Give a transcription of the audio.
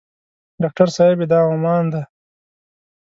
ډاکټر صاحبې دا عمان دی.